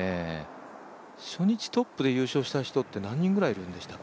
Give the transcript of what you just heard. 初日トップで優勝した人って何人ぐらいいるんでしたっけ。